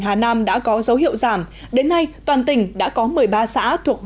hà nam đã có dấu hiệu giảm đến nay toàn tỉnh đã có một mươi ba xã thuộc